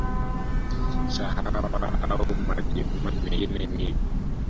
Shahawa au maji maji mengine ya mwili